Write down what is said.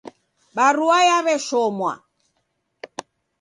Barua yaw'eshomwa.